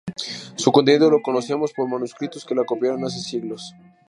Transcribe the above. Su contenido lo conocemos por manuscritos que la copiaron hace siglos.